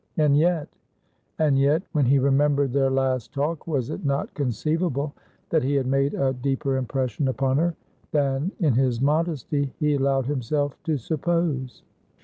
And yetand yetwhen he remembered their last talk, was it not conceivable that he had made a deeper impression upon her than, in his modesty, he allowed himself to suppose?